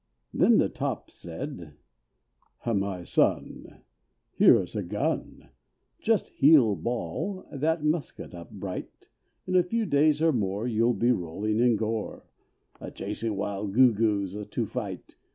Then the top said, "My Son, here is a gun, Just heel ball that musket up bright. In a few days or more you'll be rolling in gore, A chasing wild Goo Goos to flight.